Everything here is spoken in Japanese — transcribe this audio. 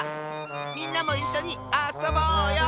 みんなもいっしょにあそぼうよ！